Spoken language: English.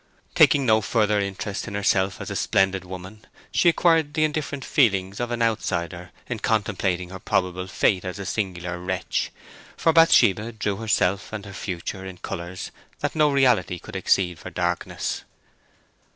Taking no further interest in herself as a splendid woman, she acquired the indifferent feelings of an outsider in contemplating her probable fate as a singular wretch; for Bathsheba drew herself and her future in colours that no reality could exceed for darkness.